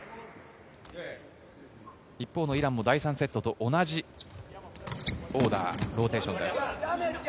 イランも第３セットと同じオーダー、ローテーションです。